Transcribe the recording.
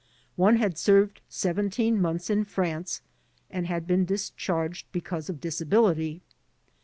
One had served seventeen months in France and had been discharged because of disability.